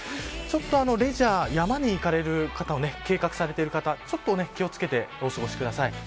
ちょっとレジャー山に行かれる方計画されている方はちょっとお気を付けてお過ごしください。